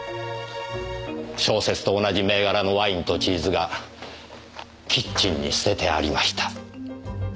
小説と同じ銘柄のワインとチーズがキッチンに捨ててありました。